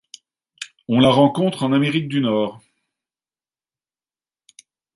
On la rencontre en Amérique du Nord.